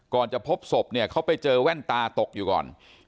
ก่อนจะพบสบเขาไปเจอแว่นตาตกอยู่ก่อน